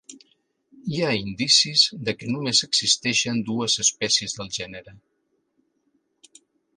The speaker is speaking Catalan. Hi ha indicis de que només existeixen dues espècies del gènere.